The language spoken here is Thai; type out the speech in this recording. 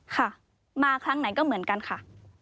ค่ะมาครั้งไหนก็เหมือนกันค่ะ